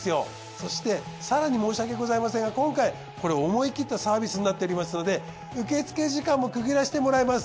そして更に申し訳ございませんが今回これ思い切ったサービスになっておりますので受付時間も区切らせてもらいます。